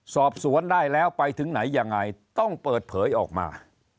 สอบสวนได้แล้วไปถึงไหนยังไงต้องเปิดเผยออกมา